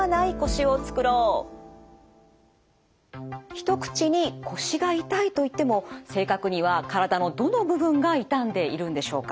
一口に腰が痛いといっても正確には体のどの部分が痛んでいるんでしょうか？